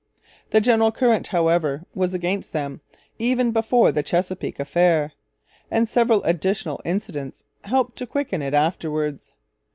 The general current, however, was against them, even before the Chesapeake affair; and several additional incidents helped to quicken it afterwards.